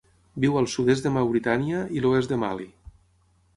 Viu al sud-est de Mauritània i l'oest de Mali.